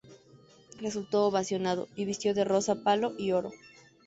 Resultó ovacionado y vistió de rosa palo y oro.